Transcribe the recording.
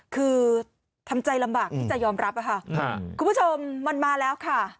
คือทำใจลำบากที่จะยอมรับค่ะคุณผู้ชมมันมาแล้วค่ะ